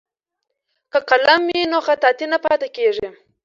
که قلم وي نو خطاطي نه پاتې کیږي.